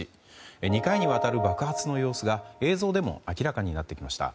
２回にわたる爆発の様子が映像でも明らかになってきました。